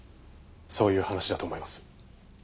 そういう話だと思います。